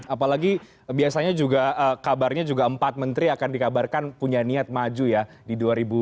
apalagi biasanya juga kabarnya juga empat menteri akan dikabarkan punya niat maju ya di dua ribu dua puluh